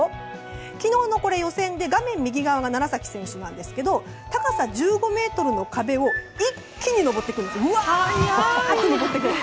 昨日の予選で画面右側が楢崎選手なんですが高さ１５ｍの壁を一気に登っていくんです。